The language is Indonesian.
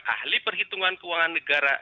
ahli perhitungan keuangan negara